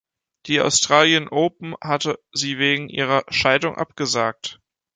Die Australien Open hatte sie wegen ihrer Scheidung abgesagt.